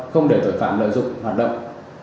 không để tội phạm lợi dụng hoạt động